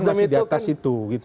walaupun masih diatas itu gitu